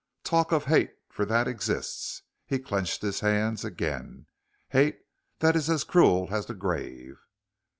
Talk of hate for that exists," he clenched his hands again, "hate that is as cruel as the grave."